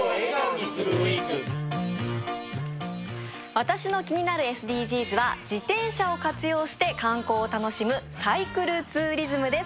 私の気になるＳＤＧｓは自転車を活用して観光を楽しむサイクルツーリズムです